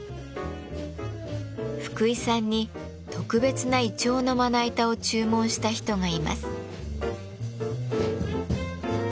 福井さんに特別ないちょうのまな板を注文した人がいます。